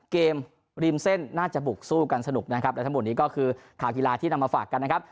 ริมเส้นน่าจะบุกสู้กันสนุกนะครับและทั้งหมดนี้ก็คือข่าวกีฬาที่นำมาฝากกันนะครับ